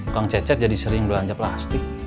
kang cecep jadi sering belanja plastik